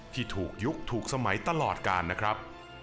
ที่ถูกยุคถูกสมัยตลอดกาลนะครับ